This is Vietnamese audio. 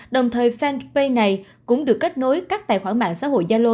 đồng thời fanpage này cũng được kết nối các tài khoản mạng xã hội gia lô